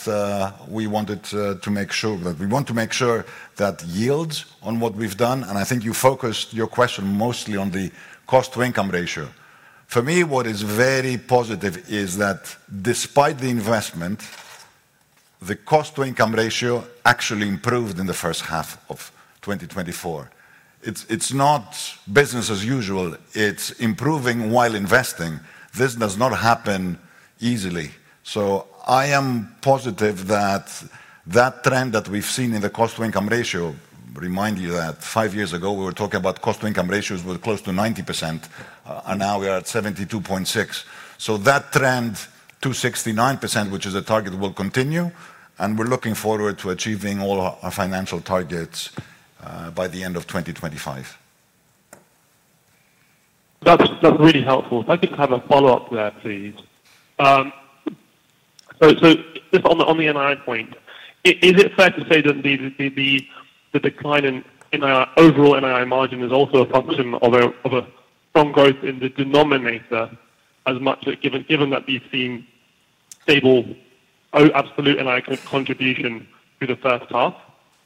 C: we wanted to make sure that we want to make sure that yields on what we've done. I think you focused your question mostly on the cost-to-income ratio. For me, what is very positive is that despite the investment, the cost-to-income ratio actually improved in the first half of 2024. It's not business as usual. It's improving while investing. This does not happen easily. So I am positive that that trend that we've seen in the cost-to-income ratio, remind you that five years ago we were talking about cost-to-income ratios were close to 90%, and now we are at 72.6. So that trend to 69%, which is a target, will continue. And we're looking forward to achieving all our financial targets by the end of 2025.
F: That's really helpful. If I could have a follow-up to that, please. So on the NII point, is it fair to say that the decline in overall NII margin is also a function of a strong growth in the denominator as much given that we've seen stable absolute NII contribution through the first half?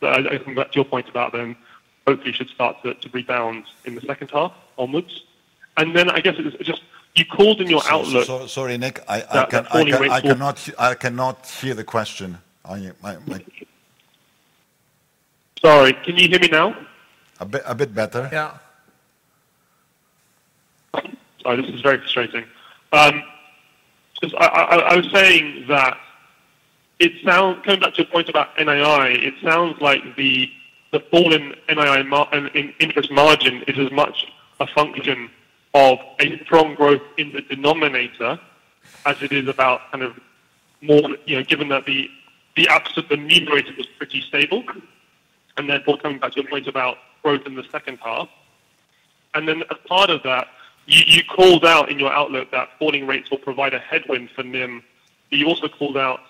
F: So I think that's your point about then hopefully should start to rebound in the second half onwards. And then I guess it's just you called in your outlook.
C: Sorry, Nick. I cannot hear the question.
F: Sorry. Can you hear me now?
C: A bit better.
F: Yeah. Sorry, this is very frustrating. I was saying that it sounds, coming back to your point about NII, like the fall in NII interest margin is as much a function of a strong growth in the denominator as it is about kind of more, given that the absolute denominator was pretty stable. And therefore, coming back to your point about growth in the second half. And then, as part of that, you called out in your outlook that falling rates will provide a headwind for NIM. But you also called out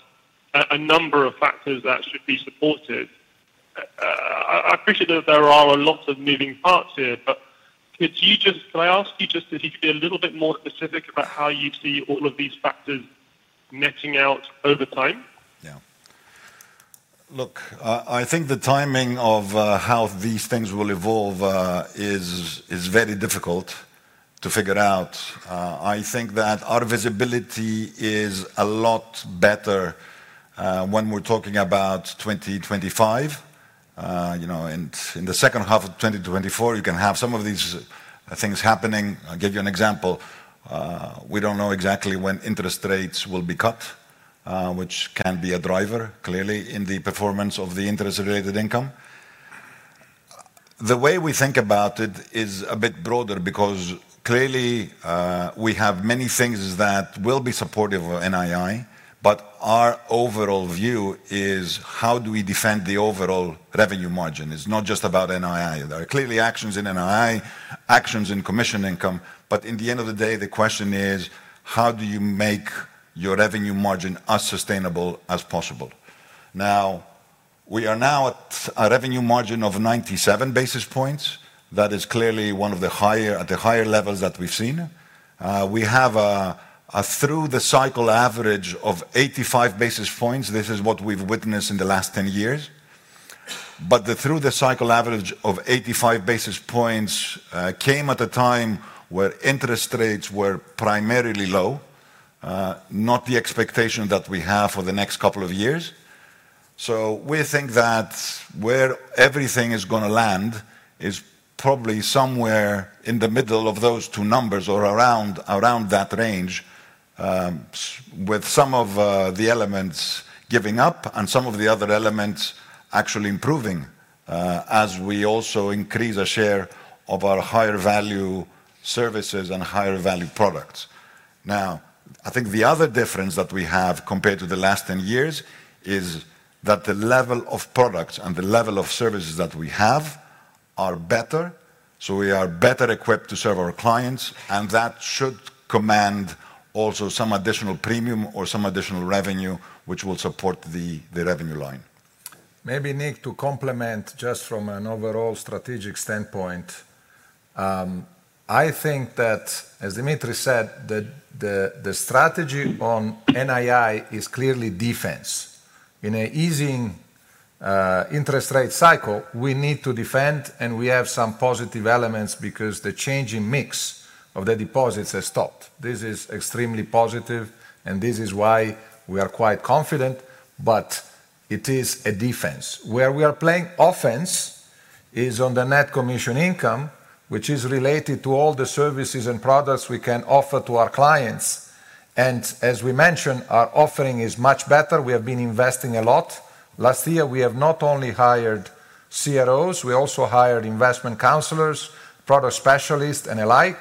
F: a number of factors that should be supported. I appreciate that there are a lot of moving parts here, but can I ask you just if you could be a little bit more specific about how you see all of these factors netting out over time?
C: Yeah. Look, I think the timing of how these things will evolve is very difficult to figure out. I think that our visibility is a lot better when we're talking about 2025. In the second half of 2024, you can have some of these things happening. I'll give you an example. We don't know exactly when interest rates will be cut, which can be a driver, clearly, in the performance of the interest-related income. The way we think about it is a bit broader because clearly we have many things that will be supportive of NII, but our overall view is how do we defend the overall revenue margin? It's not just about NII. There are clearly actions in NII, actions in commission income. But in the end of the day, the question is how do you make your revenue margin as sustainable as possible? Now, we are now at a revenue margin of 97 basis points. That is clearly one of the higher levels that we've seen. We have a through-the-cycle average of 85 basis points. This is what we've witnessed in the last 10 years. But the through-the-cycle average of 85 basis points came at a time where interest rates were primarily low, not the expectation that we have for the next couple of years. So we think that where everything is going to land is probably somewhere in the middle of those two numbers or around that range, with some of the elements giving up and some of the other elements actually improving as we also increase a share of our higher-value services and higher-value products. Now, I think the other difference that we have compared to the last 10 years is that the level of products and the level of services that we have are better. So we are better equipped to serve our clients, and that should command also some additional premium or some additional revenue, which will support the revenue line.
B: Maybe, Nick, to complement just from an overall strategic standpoint, I think that, as Dimitri said, the strategy on NII is clearly defense. In an easing interest rate cycle, we need to defend, and we have some positive elements because the changing mix of the deposits has stopped. This is extremely positive, and this is why we are quite confident. But it is a defense. Where we are playing offense is on the net commission income, which is related to all the services and products we can offer to our clients. And as we mentioned, our offering is much better. We have been investing a lot. Last year, we have not only hired CROs, we also hired investment counselors, product specialists, and the like.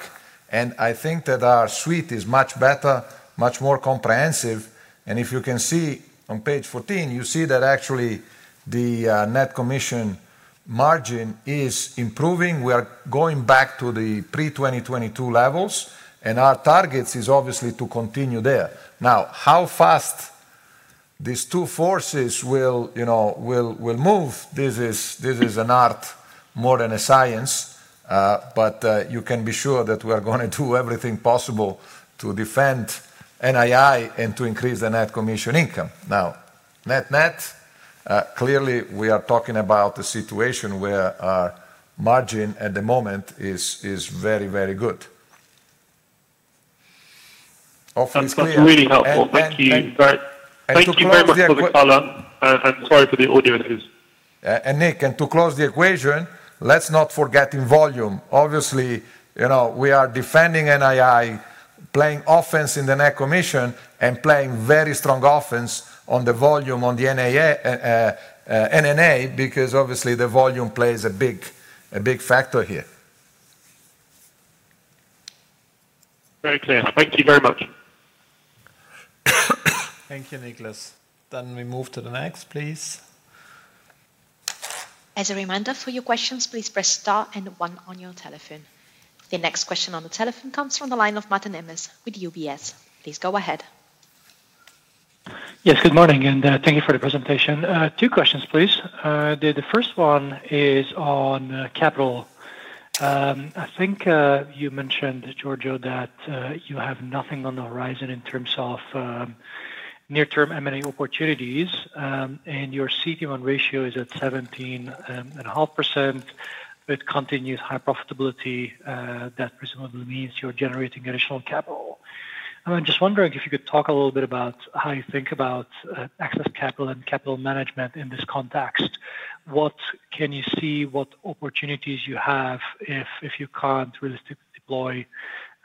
B: And I think that our suite is much better, much more comprehensive. If you can see on page 14, you see that actually the net commission margin is improving. We are going back to the pre-2022 levels, and our target is obviously to continue there. Now, how fast these two forces will move, this is an art more than a science. But you can be sure that we are going to do everything possible to defend NII and to increase the net commission income. Now, net-net, clearly we are talking about a situation where our margin at the moment is very, very good. Hopefully, it's clear.
F: That's really helpful. Thank you. Thank you very much for the color. Sorry for the audiences.
B: And Nick, and to close the equation, let's not forget in volume. Obviously, we are defending NII, playing offense in the net commission, and playing very strong offense on the volume on the NNA because obviously the volume plays a big factor here.
F: Very clear. Thank you very much.
A: Thank you, Nicholas. Then we move to the next, please.
E: As a reminder for your questions, please press star and one on your telephone. The next question on the telephone comes from the line of Mate Nemes with UBS. Please go ahead.
G: Yes, good morning, and thank you for the presentation. Two questions, please. The first one is on capital. I think you mentioned, Giorgio, that you have nothing on the horizon in terms of near-term M&A opportunities, and your CET1 ratio is at 17.5% with continued high profitability. That presumably means you're generating additional capital. I'm just wondering if you could talk a little bit about how you think about excess capital and capital management in this context. What can you see, what opportunities you have if you can't realistically deploy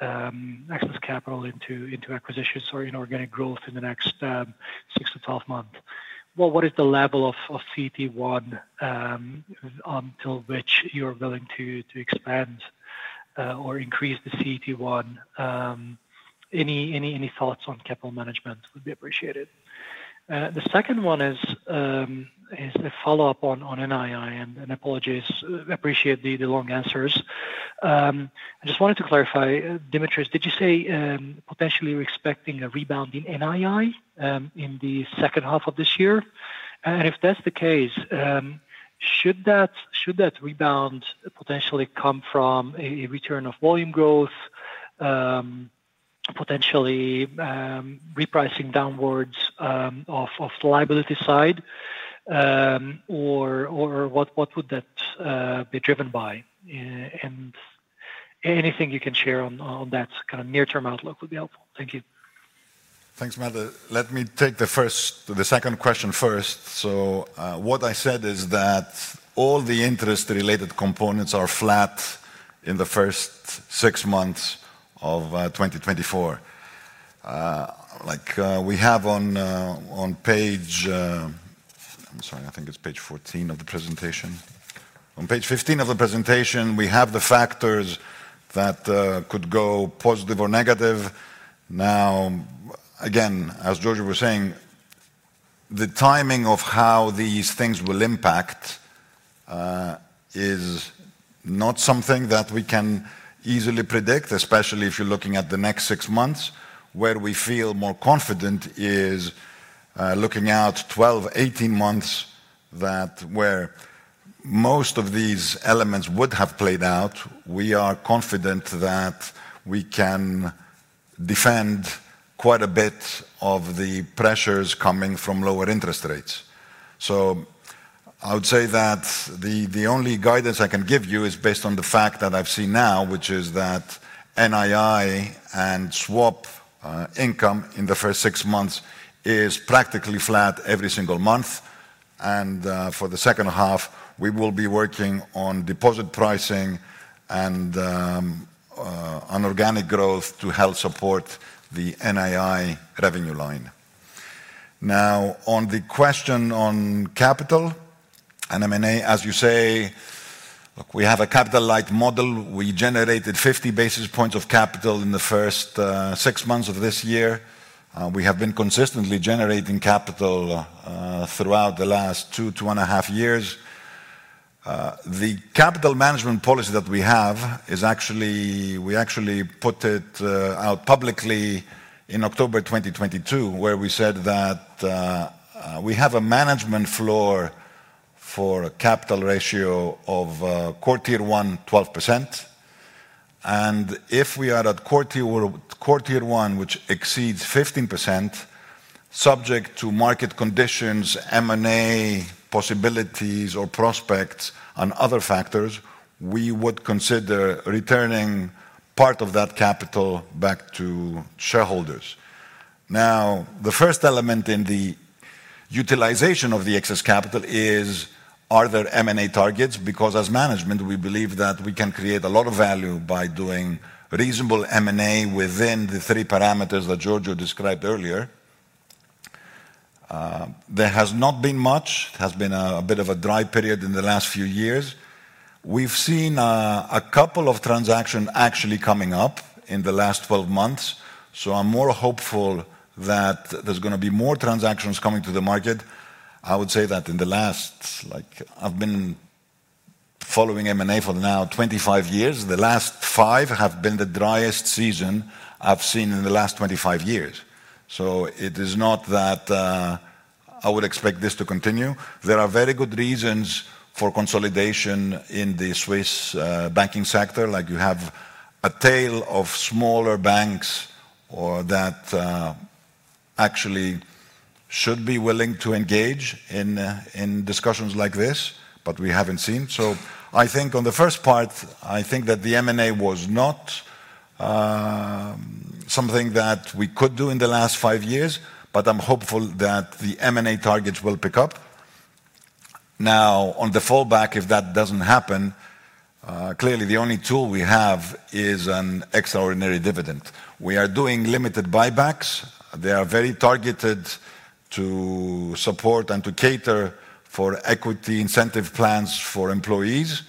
G: excess capital into acquisitions or in organic growth in the next six to 12 months? What is the level of CET1 until which you're willing to expand or increase the CET1? Any thoughts on capital management would be appreciated. The second one is a follow-up on NII, and I apologize, appreciate the long answers. I just wanted to clarify, Dimitris, did you say potentially you're expecting a rebound in NII in the second half of this year? And if that's the case, should that rebound potentially come from a return of volume growth, potentially repricing downwards off the liability side, or what would that be driven by? And anything you can share on that kind of near-term outlook would be helpful. Thank you.
C: Thanks, Mate. Let me take the second question first. So what I said is that all the interest-related components are flat in the first six months of 2024. We have on page. I'm sorry, I think it's page 14 of the presentation. On page 15 of the presentation, we have the factors that could go positive or negative. Now, again, as Giorgio was saying, the timing of how these things will impact is not something that we can easily predict, especially if you're looking at the next six months. Where we feel more confident is looking out 12, 18 months where most of these elements would have played out. We are confident that we can defend quite a bit of the pressures coming from lower interest rates. So I would say that the only guidance I can give you is based on the fact that I've seen now, which is that NII and swap income in the first six months is practically flat every single month. And for the second half, we will be working on deposit pricing and on organic growth to help support the NII revenue line. Now, on the question on capital and M&A, as you say, look, we have a capital-light model. We generated 50 basis points of capital in the first six months of this year. We have been consistently generating capital throughout the last two to two and a half years. The capital management policy that we have is actually we actually put it out publicly in October 2022, where we said that we have a management floor for a capital ratio of CET1, 12%. If we are at CET1, which exceeds 15%, subject to market conditions, M&A possibilities, or prospects on other factors, we would consider returning part of that capital back to shareholders. Now, the first element in the utilization of the excess capital is, are there M&A targets? Because as management, we believe that we can create a lot of value by doing reasonable M&A within the three parameters that Giorgio described earlier. There has not been much. It has been a bit of a dry period in the last few years. We've seen a couple of transactions actually coming up in the last 12 months. So I'm more hopeful that there's going to be more transactions coming to the market. I would say that in the last I've been following M&A for now 25 years. The last five have been the driest season I've seen in the last 25 years. So it is not that I would expect this to continue. There are very good reasons for consolidation in the Swiss banking sector. You have a tail of smaller banks that actually should be willing to engage in discussions like this, but we haven't seen. So I think on the first part, I think that the M&A was not something that we could do in the last five years, but I'm hopeful that the M&A targets will pick up. Now, on the fallback, if that doesn't happen, clearly the only tool we have is an extraordinary dividend. We are doing limited buybacks. They are very targeted to support and to cater for equity incentive plans for employees.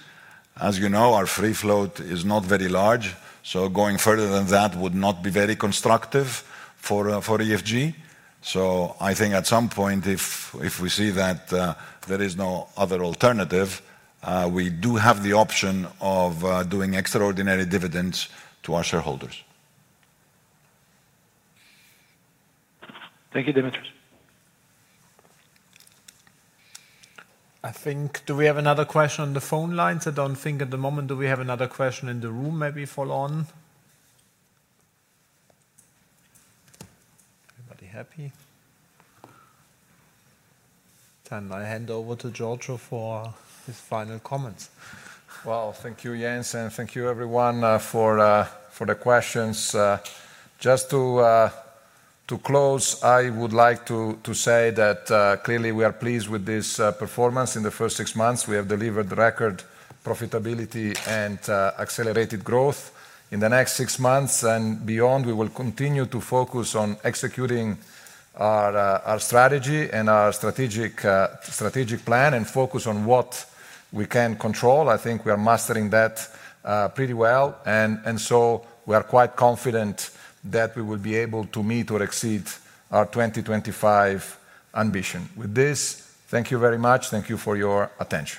C: As you know, our free float is not very large. Going further than that would not be very constructive for EFG. I think at some point, if we see that there is no other alternative, we do have the option of doing extraordinary dividends to our shareholders.
F: Thank you, Dimitris.
A: I think do we have another question on the phone lines? I don't think at the moment do we have another question in the room, maybe for Laurent? Everybody happy? Then I hand over to Giorgio for his final comments.
B: Well, thank you, Jens, and thank you, everyone, for the questions. Just to close, I would like to say that clearly we are pleased with this performance in the first six months. We have delivered record profitability and accelerated growth. In the next six months and beyond, we will continue to focus on executing our strategy and our strategic plan and focus on what we can control. I think we are mastering that pretty well. And so we are quite confident that we will be able to meet or exceed our 2025 ambition. With this, thank you very much. Thank you for your attention.